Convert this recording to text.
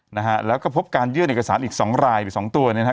นะฮะแล้วก็พบการยื่นเอกสารอีก๒รายอีก๒ตัวนะฮะ